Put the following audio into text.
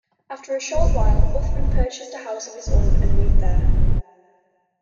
After a short while, Uthman purchased a house of his own and moved there.